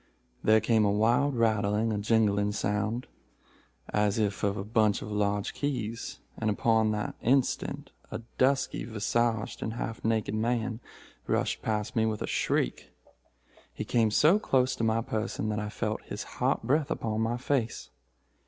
There came a wild rattling or jingling sound, as if of a bunch of large keys, and upon the instant a dusky visaged and half naked man rushed past me with a shriek. He came so close to my person that I felt his hot breath upon my face.